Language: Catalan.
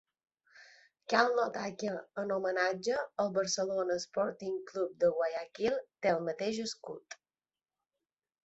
Cal notar que, en homenatge, el Barcelona Sporting Club de Guayaquil té el mateix escut.